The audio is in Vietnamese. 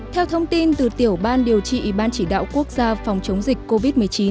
theo thông tin từ tiểu ban điều trị ban chỉ đạo quốc gia phòng chống dịch covid một mươi chín